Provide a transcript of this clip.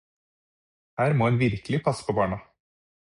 Her må en virkelig passe på barna.